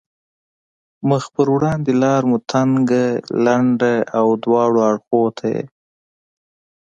مخ په وړاندې لار مو تنګه، لنده او دواړو اړخو ته یې.